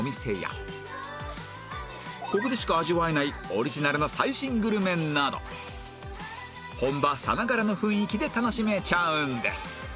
ここでしか味わえないオリジナルの最新グルメなど本場さながらの雰囲気で楽しめちゃうんです